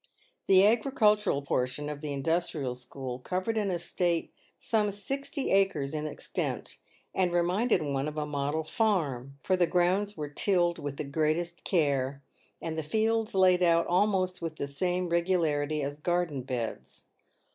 The agricultural portion of the Industrial School covered an estate some sixty acres in extent, and reminded one of a model farm, for the grounds were tilled with the greatest care, and the fields laid out almost with the same regularity as garden beds.